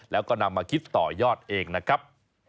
แล้วก็นำมาคิดต่อยอดเองนะครับ